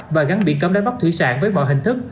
và gắn biển cấm đánh bắt thủy sản với mọi hình thức